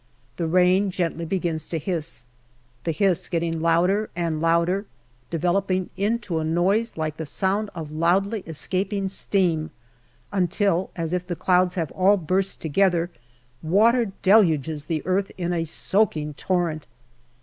The rain gently begins to hiss, the hiss getting louder and louder, developing into a noise like the sound of loudly escaping steam, until, as if the clouds have all burst together, water deluges the earth in a soaking torrent.